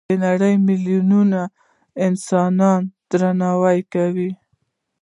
د نړۍ ملیاردونو مسلمانان یې درناوی کوي.